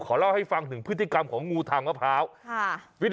เล่าให้ฟังถึงพฤติกรรมของงูทางมะพร้าว